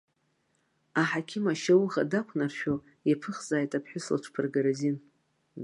Аҳақьым ашьауӷа дақәнаршәо, иаԥыхзааит аԥҳәыс лыҽԥыргара азин.